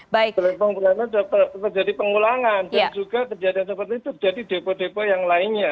pertamina pelumpang ini sudah terjadi pengulangan dan juga kejadian seperti itu terjadi depo depo yang lainnya